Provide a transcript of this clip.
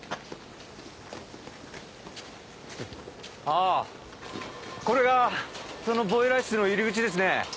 あぁこれがそのボイラー室の入り口ですね。